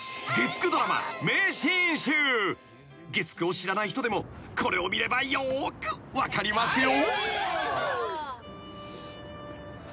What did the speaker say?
［月９を知らない人でもこれを見ればよく分かりますよ］